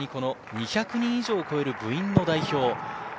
２００人以上を超える部員の代表。